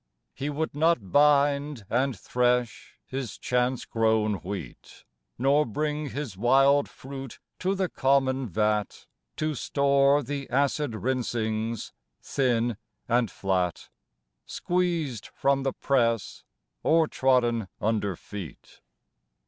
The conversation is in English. He would not bind and thresh his chance grown wheat, Nor bring his wild fruit to the common vat, To store the acid rinsings, thin and flat, Squeezed from the press or trodden under feet.